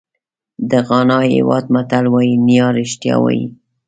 د غانا هېواد متل وایي نیا رښتیا وایي.